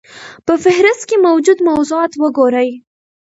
په فهرست کې موجود موضوعات وګورئ.